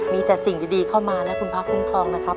มีแต่สิ่งดีเข้ามาและคุณพระคุ้มครองนะครับ